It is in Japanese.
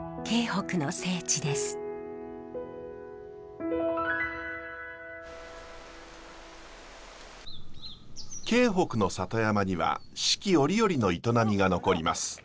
京北の里山には四季折々の営みが残ります。